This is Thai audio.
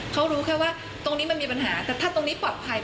เขารู้แค่ว่าตรงนี้มันมีปัญหาแต่ถ้าตรงนี้ปลอดภัย